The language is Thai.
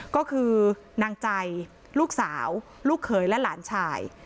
ก็คือนางใจลูกสาวลูกเขยและหลานชาย